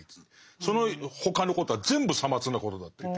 そのほかのことは全部さまつなことだ」っていって。